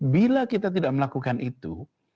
bila kita tidak melakukan itu